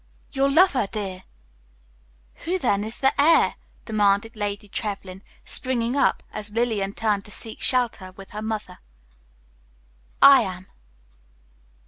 "Your lover, dear!" "Who, then, is the heir?" demanded Lady Trevlyn, springing up, as Lillian turned to seek shelter with her mother. "I am."